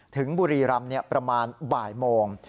ถึงบุรีรำประมาณบ่ายโมง